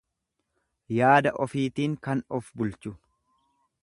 yaada ofiitiin kan of bulchu.